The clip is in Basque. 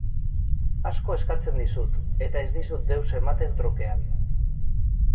Asko eskatzen dizut, eta ez dizut deus ematen trukean.